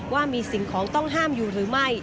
ว่ามีสิ่งของต้องห้ามอยู่หรือไม่